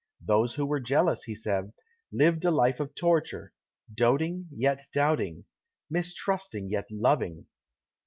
Those who were jealous, he said, lived a life of torture doating, yet doubting; mistrusting, yet loving.